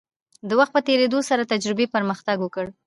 د وخت په تیریدو سره تجربې پرمختګ وکړ.